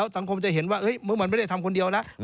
สังคมจะเห็นว่ามันไม่ได้ทำคนเดียวนะ